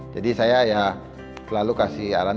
jadi saya ya selalu kasih arahan